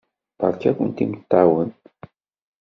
Beṛka-kent imeṭṭawen!